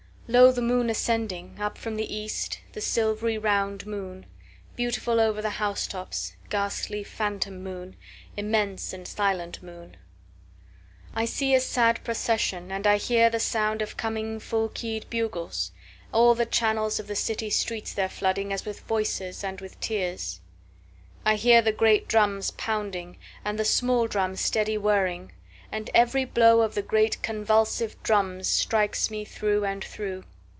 2Lo! the moon ascending! Up from the east, the silvery round moon; Beautiful over the house tops, ghastly phantom moon; Immense and silent moon.3I see a sad procession, And I hear the sound of coming full key'd bugles; All the channels of the city streets they're flooding, As with voices and with tears.4I hear the great drums pounding, And the small drums steady whirring; And every blow of the great convulsive drums, Strikes me through and through.